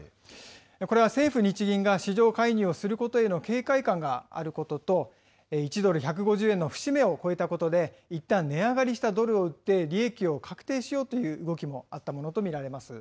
これは政府・日銀が市場介入をすることへの警戒感があることと、１ドル１５０円の節目を超えたことで、いったん値上がりしたドルを売って利益を確定しようという動きもあったものと見られます。